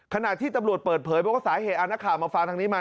ขณะที่ตำรวจเปิดเผยเพราะสาเหตุอ่านนักข่าวมาฟ้าทางนี้มา